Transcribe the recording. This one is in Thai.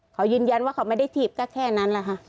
เขายืนยันว่าเขาไม่ได้ถีบก็แค่นั้นแหละค่ะ